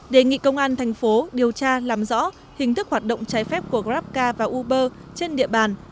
đề nghị công an thành phố điều tra làm rõ hình thức hoạt động trái phép của grabcca và uber trên địa bàn